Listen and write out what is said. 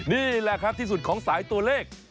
นี่แหละครับที่สุดของสายตัวเลข